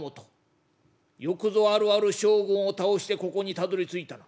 よくぞあるある将軍を倒してここにたどりついたな。